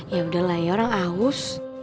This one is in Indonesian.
yaudah lah ya orang awus